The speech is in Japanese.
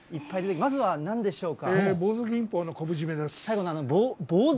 まずはなんでしょうか。